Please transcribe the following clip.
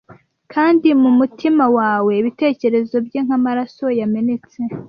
Kandi mumutima wawe ibitekerezo bye nkamaraso yamenetse,